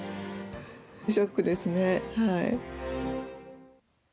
ショックですね、はい。